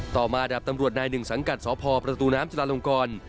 ต่อมาดาบตำรวจนายหนึ่งสังกัดสพประตูน้ำจุลาลงกร